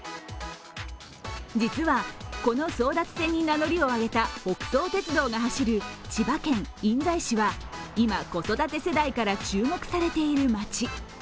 実は、この争奪戦に名乗りを上げた北総鉄道が走る千葉県印西市は今、子育て世代から注目されている街。